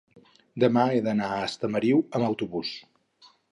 demà he d'anar a Estamariu amb autobús.